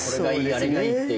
「あれがいい」って。